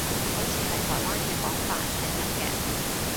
好似係台灣嘅講法，引入嘅